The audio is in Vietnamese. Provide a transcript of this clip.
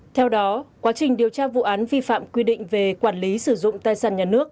theo đó quá trình điều tra vụ án vi phạm quy định về quản lý sử dụng tài sản nhà nước